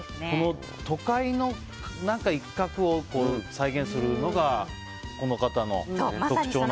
この都会の一角を再現するのがこの方の特徴なんですね。